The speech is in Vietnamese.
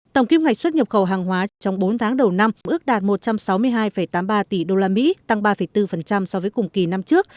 tổng kim ngạch xuất nhập khẩu hàng hóa trong bốn tháng đầu năm ước đạt một trăm sáu mươi hai tám mươi ba tỷ usd tăng ba bốn so với cùng kỳ năm trước